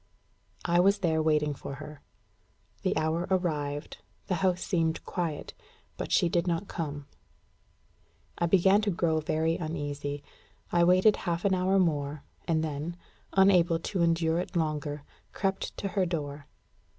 I was there waiting for her. The hour arrived; the house seemed quiet; but she did not come. I began to grow very uneasy. I waited half an hour more, and then, unable to endure it longer, crept to her door.